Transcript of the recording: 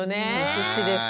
必死です。